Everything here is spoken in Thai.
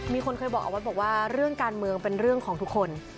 มีคนเคยบอกเอาไว้บอกว่าเรื่องการเมืองเป็นเรื่องของทุกคน